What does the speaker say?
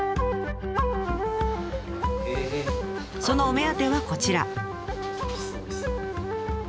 そのお目当てはこちら。